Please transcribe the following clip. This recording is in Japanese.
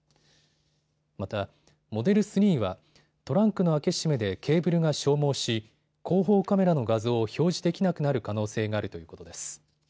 またモデル３はトランクの開け閉めでケーブルが消耗し後方カメラの画像を表示できなくなる可能性があるということです。